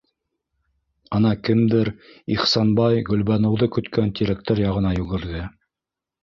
Ана кемдер Ихсанбай Гөлбаныуҙы көткән тирәктәр яғына йүгерҙе.